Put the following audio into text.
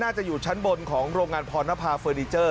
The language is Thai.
อยู่ชั้นบนของโรงงานพรณภาเฟอร์นิเจอร์